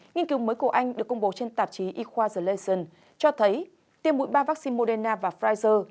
nghiên cứu mới của anh được công bố trên tạp chí equalization cho thấy tiêm mũi ba vaccine moderna và pfizer